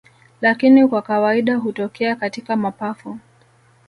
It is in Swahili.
Lakini kwa kawaida hutokea katika mapafu